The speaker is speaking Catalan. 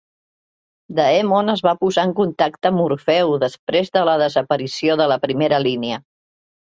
Daemon es va posar en contacte amb Morfeu després de la desaparició de la primera línia.